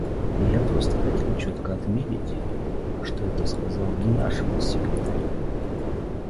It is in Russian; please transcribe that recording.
Я просто хотел четко отметить, что это сказал не наш госсекретарь.